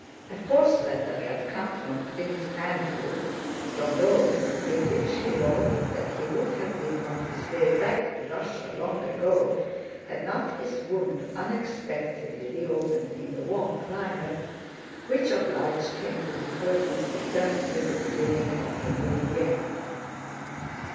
A fourth letter had come from Prince Andrew, from Rome, in which he wrote that he would have been on his way back to Russia long ago had not his wound unexpectedly reopened in the warm climate, which obliged him to defer his return till the beginning of the new year.